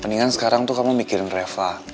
mendingan sekarang tuh kamu mikirin reva